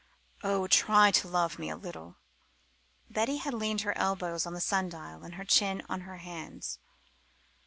Oh, try to love me a little!" Betty had leaned her elbows on the sun dial, and her chin on her hands.